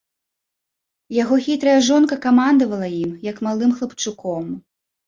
Яго хітрая жонка камандавала ім, як малым хлапчуком.